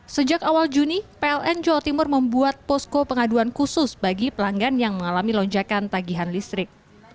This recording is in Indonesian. sejak awal juni pln jawa timur membuat posko pengaduan khusus bagi pelanggan yang mengalami lonjakan tagihan listrik